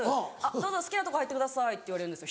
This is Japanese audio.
どうぞ好きなとこ入ってくださいって言われんですよ